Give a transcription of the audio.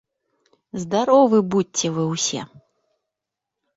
Здаровы будзьце вы ўсе!